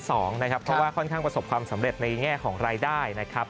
เพราะว่าค่อนข้างประสบความสำเร็จในแง่ของรายได้นะครับ